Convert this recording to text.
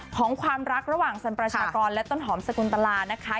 ของความรักระหว่างสันประชากรและต้นหอมสกุลตลานะคะ